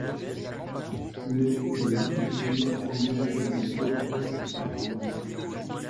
Mais il est difficile en mer de lutter contre le braconnage.